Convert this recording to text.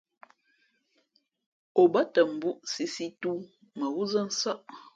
O bα̌tα mbūʼ sīsī tōō mα wúzά nsάʼ.